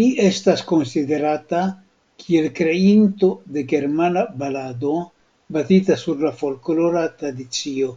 Li estas konsiderata kiel kreinto de germana balado, bazita sur la folklora tradicio.